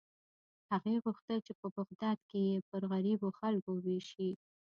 هغې غوښتل چې په بغداد کې یې پر غریبو خلکو ووېشي.